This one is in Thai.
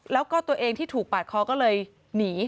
แล้วก็ตัวเองที่ถูกปาดคอก็เลยหนี